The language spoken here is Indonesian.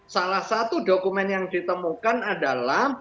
salah satu dokumen yang ditemukan adalah